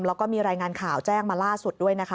แล้วก็มีรายงานข่าวแจ้งมาล่าสุดด้วยนะคะ